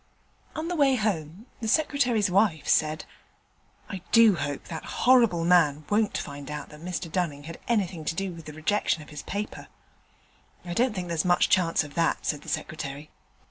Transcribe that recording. On the way home the Secretary's wife said, 'I do hope that horrible man won't find out that Mr Dunning had anything to do with the rejection of his paper.' 'I don't think there's much chance of that,' said the Secretary.